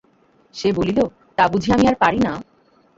সে বলিল, তা বুঝি আমি আর পারি না!